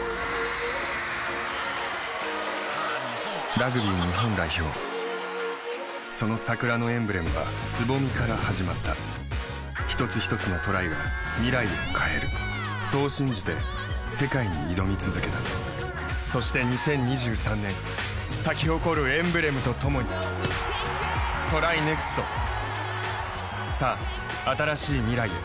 ・ラグビー日本代表その桜のエンブレムは蕾から始まった一つひとつのトライが未来を変えるそう信じて世界に挑み続けたそして２０２３年咲き誇るエンブレムとともにＴＲＹＮＥＸＴさあ、新しい未来へ。